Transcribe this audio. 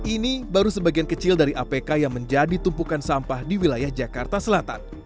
ini baru sebagian kecil dari apk yang menjadi tumpukan sampah di wilayah jakarta selatan